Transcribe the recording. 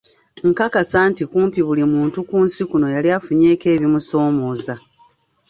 Nkakasa nti kumpi buli muntu ku nsi kuno yali afunyeeko ebimusoomooza.